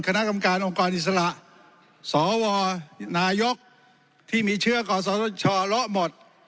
คณะกรรมการองค์กรอิสระสวนายกที่มีเชื้อกศชละหมด